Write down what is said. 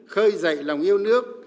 khơi dậy lòng yêu nước